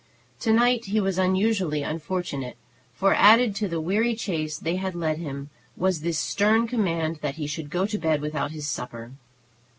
To night he was unusually unfortunate, for added to the weary chase they had led him was this stern command that he should go to bed without his supper.